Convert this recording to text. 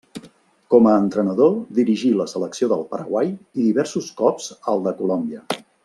Com a entrenador dirigí la selecció del Paraguai i diversos cops al de Colòmbia.